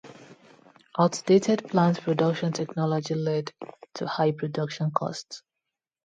Outdated plant production technology led to high production costs.